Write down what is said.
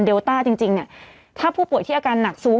เพื่อไม่ให้เชื้อมันกระจายหรือว่าขยายตัวเพิ่มมากขึ้น